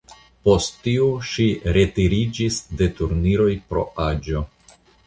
Post tio ŝi retiriĝis de turniroj pro aĝo.